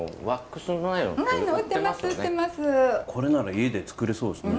これなら家で作れそうですね。